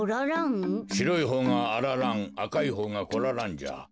しろいほうがあら蘭あかいほうがこら蘭じゃ。